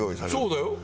そうだよ！